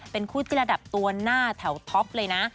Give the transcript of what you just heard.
เป็นคู่จิระดับตัวหน้าแถวท็อปเลยนะ